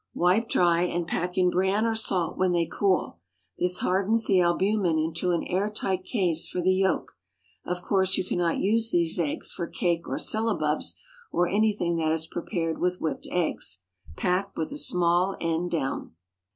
Wipe dry, and pack in bran or salt when they cool. This hardens the albumen into an air tight case for the yolk. Of course, you cannot use these eggs for cake or syllabubs, or anything that is prepared with whipped eggs. Pack with the small end down.